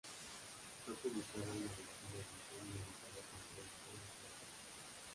Fue publicada una versión de edición limitada con tres bonus tracks.